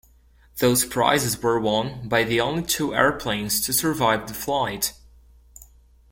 Those prizes were won by the only two airplanes to survive the flight.